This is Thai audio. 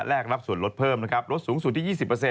รับส่วนลดเพิ่มนะครับลดสูงสุดที่๒๐